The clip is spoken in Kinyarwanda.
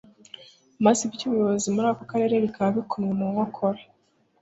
maze iby'ubuyobozi muri ako karere bikaba bikomwe mu nkokora.